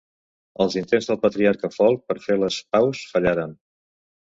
Els intents del patriarca Folc per fer les paus fallaren.